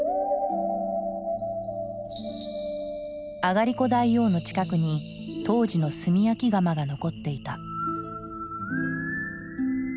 あがりこ大王の近くに当時の炭焼き窯が残っていた。